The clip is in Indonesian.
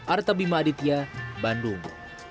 arta bima aditya bandung